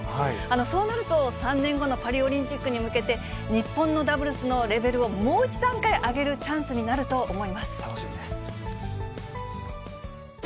そうなると、３年後のパリオリンピックに向けて、日本のダブルスのレベルをもう１段階上げるチャンスになると思い